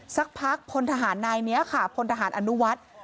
สักพักพลทหารนายนี้ค่ะพลทหารอนุวัฒน์